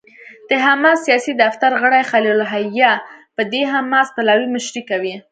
د حماس سیاسي دفتر غړی خلیل الحية به د حماس پلاوي مشري کوي.